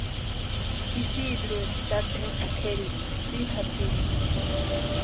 Isidrueri tatempa kʼeriecha tsiri jatsiristi.